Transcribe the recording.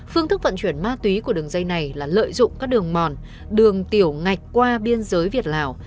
phương thức vận chuyển ma túy của đường dây này là lợi dụng các đường mòn đường tiểu ngạch qua biên giới việt lào